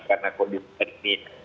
karena kondisi tersebut